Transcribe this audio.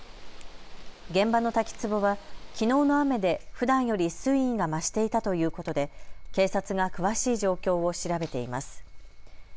現場の滝つぼは、きのうの雨でふだんより水位が増していたということで警察が詳しい状況を調べています。